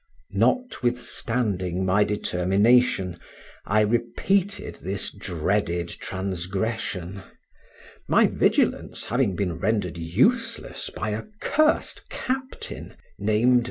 Notwithstanding my determination, I repeated this dreaded transgression, my vigilance having been rendered useless by a cursed captain, named M.